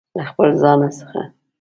له خپل ځانه څخه